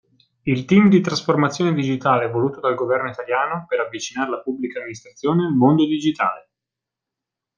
Il team di trasformazione digitale voluto dal Governo italiano per avvicinare la pubblica amministrazione al mondo digitale.